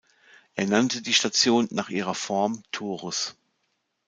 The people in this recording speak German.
Er nannte die Station nach ihrer Form Torus.